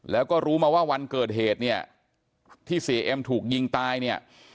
แล้วก็รู้มาว่าวันเกิดเหตุเนี่ยที่เสียเอ็มถูกยิงตายเนี่ย